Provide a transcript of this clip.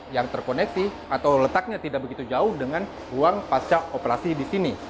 yang terkoneksi atau letaknya tidak begitu jauh dengan ruang pasca operasi di sini